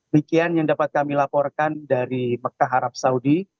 demikian yang dapat kami laporkan dari mekah arab saudi